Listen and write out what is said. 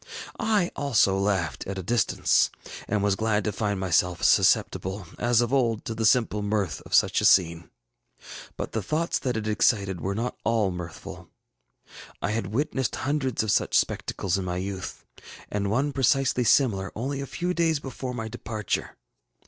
I also laughed at a distance, and was glad to find myself susceptible, as of old, to the simple mirth of such a scene. ŌĆ£But the thoughts that it excited were not all mirthful. I had witnessed hundreds of such spectacles in my youth, and one precisely similar only a few days before my departure.